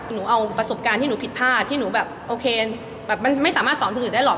หนูเอาประสบการณ์ที่หนูผิดพลาดที่หนูแบบโอเคแบบมันไม่สามารถสอนคนอื่นได้หรอก